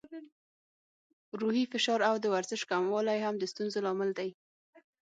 روحي فشار او د ورزش کموالی هم د ستونزو لامل دی.